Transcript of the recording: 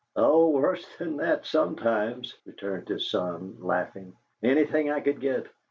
"Oh, worse than that, sometimes," returned his son, laughing. "Anything I could get.